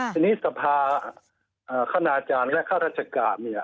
ทีนี้สภาคณาจารย์และข้าราชการเนี่ย